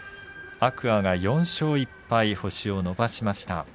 天空海４勝１敗と星を伸ばしました。